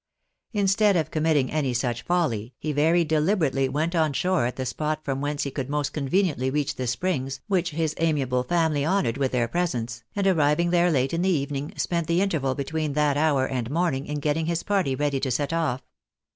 Instead of committing any such folly, he very deliberately went on shore at the spot from whence he could most conveniently reach the Springs which his amiable family honoured with their presence, and arriving there late in the evening, spent the interval between that hour and morning in getting his party ready to set off.